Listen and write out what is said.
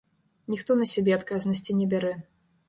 Ніхто на сябе адказнасці не бярэ.